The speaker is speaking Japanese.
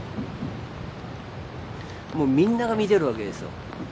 もうみんなが見てるわけですよ。